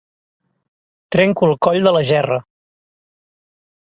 Trenco el coll de la gerra.